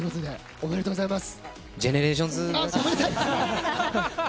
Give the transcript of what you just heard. おめでとうございます。